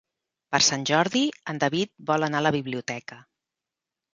Per Sant Jordi en David vol anar a la biblioteca.